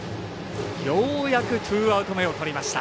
ようやくツーアウト目をとりました。